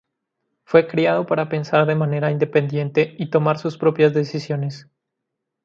Fue criado para pensar de manera independiente y tomar sus propias decisiones.